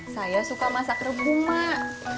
saya suka masak rebung ma